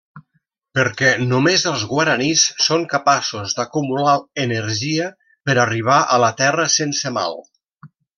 Perquè només els guaranís són capaços d'acumular energia per arribar a la Terra sense mal.